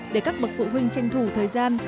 để các bậc phụ huynh tranh thủ thời gian